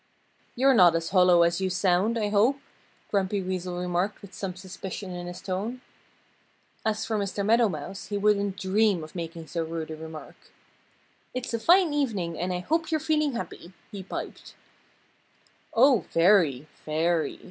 "You're not as hollow as you sound, I hope," Grumpy Weasel remarked with some suspicion in his tone. As for Mr. Meadow Mouse, he wouldn't dream of making so rude a remark. "It's a fine evening and I hope you're feeling happy," he piped. "Oh, very! Very!"